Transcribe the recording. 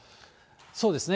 そうですね。